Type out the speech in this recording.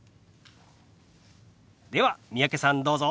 では三宅さんどうぞ！